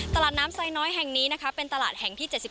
ตลาดน้ำไซน้อยแห่งนี้นะคะเป็นตลาดแห่งที่๗๒